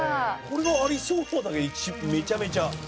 これはありそうだけどめちゃめちゃ。